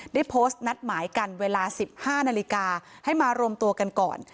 ได้โพสต์นัดหมายกันเวลา๑๕นาฬิกาให้มารวมตัวกันก่อน